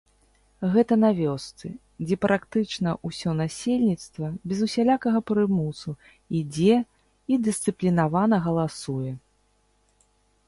Гэта на вёсцы, дзе практычна ўсё насельніцтва без усялякага прымусу ідзе і дысцыплінавана галасуе!